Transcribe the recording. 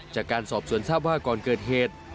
จากการสอบสวนทราบว่าก่อนเกิดเหตุ